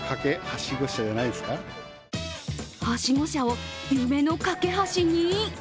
はしご車を夢の架け橋に？